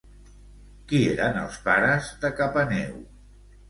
Qui eren els pares de Capaneu?